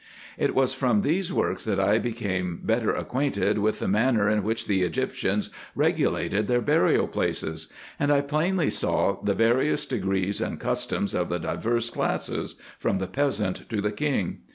It was from these works that I became better acquainted with the manner in which the Egyptians regulated their burial places ; and I plainly saw the various degrees and customs of the divers classes, from the peasant to the king.